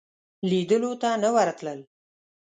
لیدلو ته نه ورتلل.